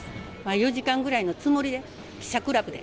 ４時間ぐらいのつもりで、記者クラブで。